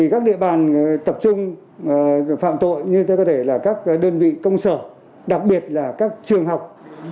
các địa bàn tập trung phạm tội như các đơn vị công sở đặc biệt là các trường học